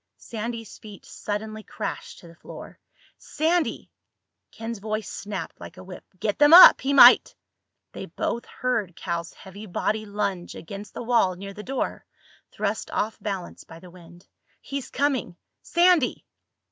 Sandy's feet suddenly crashed to the floor. "Sandy!" Ken's voice snapped like a whip. "Get them up! He might—" They both heard Cal's heavy body lunge against the wall near the door, thrust off balance by the wind. "He's coming! Sandy!"